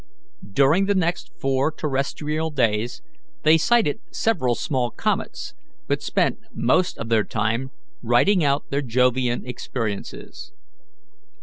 During the next four terrestrial days they sighted several small comets, but spent most of their time writing out their Jovian experiences.